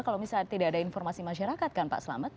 kalau misalnya tidak ada informasi masyarakat kan pak selamet